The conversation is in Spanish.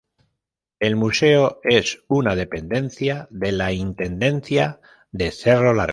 El museo es una dependencia de la Intendencia de Cerro Largo.